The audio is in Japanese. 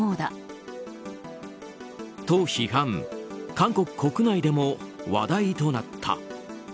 韓国国内でも話題となった。